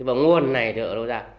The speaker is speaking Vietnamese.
và nguồn này thì ở đâu ra